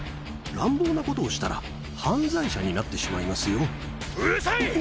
乱暴なことをしたら、犯罪者になってしうるさい！